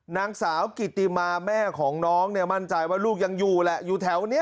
นางสาวกิติมาแม่ของน้องเนี่ยมั่นใจว่าลูกยังอยู่แหละอยู่แถวนี้